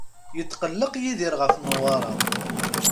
Yetqelleq Yidir ɣef Newwara.